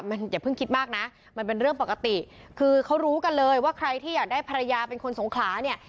มันอย่าเพิ่งคิดมากนะมันเป็นเรื่องปกติคือเขารู้กันเลยว่าใครที่อยากได้ภรรยาเป็นคนสงขลาเนี่ย